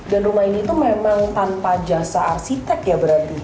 dan rumah ini tuh memang tanpa jasa arsitek ya berarti